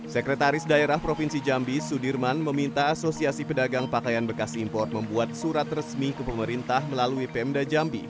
sekretaris daerah provinsi jambi sudirman meminta asosiasi pedagang pakaian bekas impor membuat surat resmi ke pemerintah melalui pemda jambi